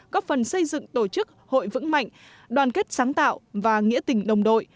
góp phần xây dựng tổ chức hội vững mạnh đoàn kết sáng tạo và nghĩa tình đồng đội